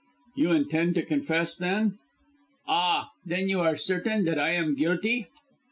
"You intend to confess, then?" "Ah, then you are certain that I am guilty?"